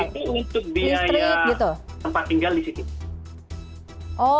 berarti untuk biaya tempat tinggal di situ